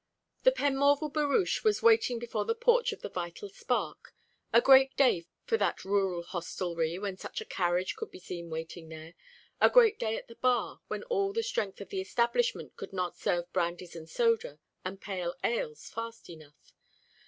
The Penmorval barouche was waiting before the porch of the Vital Spark a great day for that rural hostelry when such a carriage could be seen waiting there a great day at the bar, where all the strength of the establishment could not serve brandies and sodas and pale ales fast enough.